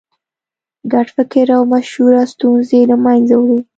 ګډ فکر او مشوره ستونزې له منځه وړي.